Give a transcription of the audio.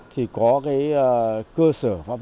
thì có cái cơ sở phát biệt